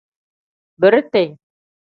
Biriti.